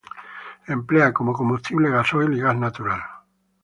Emplea como combustible gasoil y gas natural.